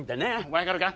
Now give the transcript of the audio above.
分かるか？